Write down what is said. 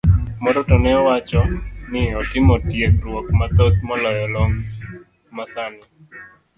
Moro to ne wacho ni otimo tiegruok mathoth maloyo lony masani.